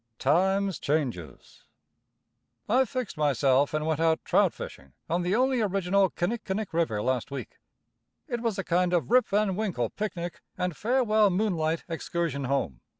Time's Changes. I fixed myself and went out trout fishing on the only original Kinnickinnick river last week. It was a kind of Rip Van Winkle picnic and farewell moonlight excursion home.